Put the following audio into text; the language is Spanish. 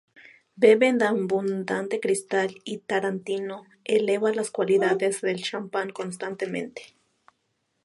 Beben abundante Cristal, y Tarantino eleva las cualidades del champán constantemente.